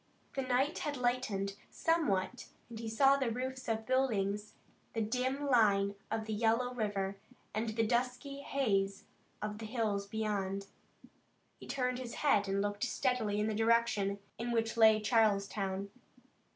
The night had lightened somewhat and he saw the roofs of buildings, the dim line of the yellow river, and the dusky haze of hills beyond. He turned his head and looked steadily in the direction in which lay Charleston.